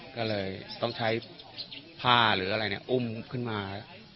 ก็เลยต้องใช้ผ้าหรืออะไรอุ้มขึ้นมา